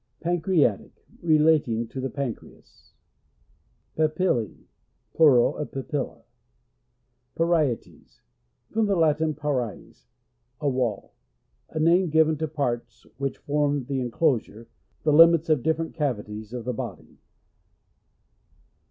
Pancreatic. — Relating to the pan creas. Papill.f,. — Plural of Papilla. Parietes. — From the Latin, paries, a: wall. A name given to parts, which form the inclosure — the limits ofi different cavities of the body.